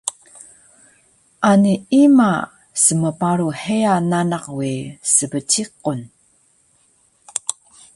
Ani ima smparu heya nanak we sbciqun